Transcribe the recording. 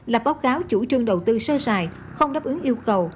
lập báo cáo chủ trương đầu tư sơ sài không đáp ứng yêu cầu